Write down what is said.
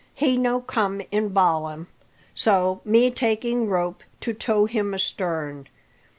He no come in ballam, so me taking rope to tow him astern.